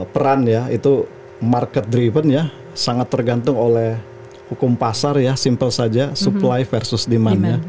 peran ya itu market driven ya sangat tergantung oleh hukum pasar ya simple saja supply versus demand ya